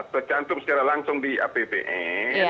tercantum secara langsung di apbn